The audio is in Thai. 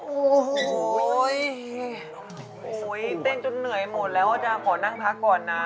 โอ้โหเต้นจนเหนื่อยหมดแล้วอาจารย์ขอนั่งพักก่อนนะ